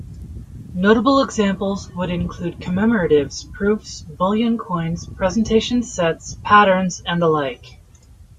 Notable examples would include commemoratives, proofs, bullion coins, presentation sets, patterns and the like.